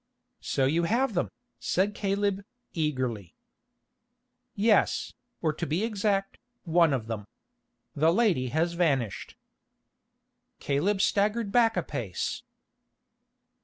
"So you have them," said Caleb, eagerly. "Yes, or to be exact, one of them. The lady has vanished." Caleb staggered back a pace.